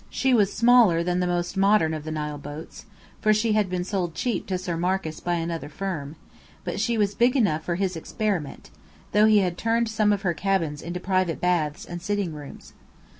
She was smaller than the most modern of the Nile boats, for she had been sold cheap to Sir Marcus by another firm: but she was big enough for his experiment, though he had turned some of her cabins into private baths and sitting rooms.